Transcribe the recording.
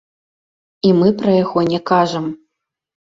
І мы пра яго не кажам.